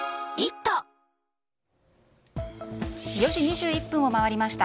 ４時２１分を回りました。